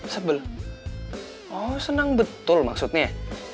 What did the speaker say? sebelum oh senang betul maksudnya